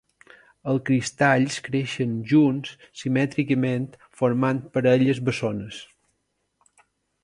Els cristalls creixen junts simètricament formant parelles bessones.